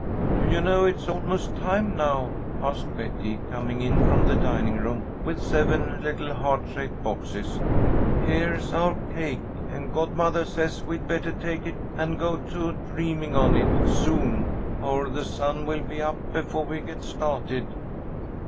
"Do you know it is almost that time now?" asked Betty, coming in from the dining room with seven little heart shaped boxes. "Here's our cake, and godmother says we'd better take it and go to dreaming on it soon, or the sun will be up before we get started."